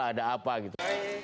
ada apa gitu